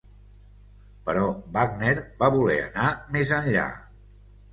Però Wagner va voler anar més enllà.